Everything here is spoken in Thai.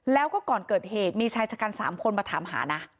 แล้วก็ก่อนเกิดเหตุมีชายชะกัน๓คนมาถามหานะ